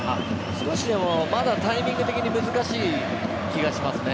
少しタイミング的にまだ難しい気がしますね。